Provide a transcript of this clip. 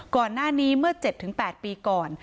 ก่อนหน้านี้เมื่อ๗๘ปีก่อน